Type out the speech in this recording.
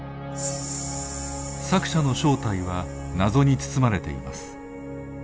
作者の正体は謎に包まれています。